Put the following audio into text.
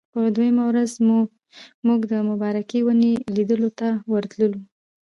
په دویمه ورځ موږ د مبارکې ونې لیدلو ته ورتللو.